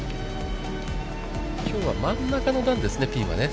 きょうは真ん中の段ですね、ピンはね。